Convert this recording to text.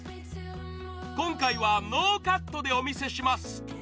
今回はノーカットでお見せします。